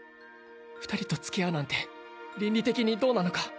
二人とつきあうなんて倫理的にどうなのか」